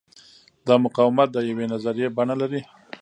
دا مقاومت د یوې نظریې بڼه لري.